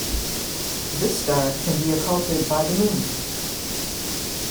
This star can be occulted by the moon.